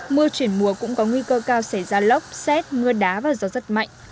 mưa chuyển mùa cũng có nguy cơ cao xảy ra lốc xét mưa đá và gió rất mạnh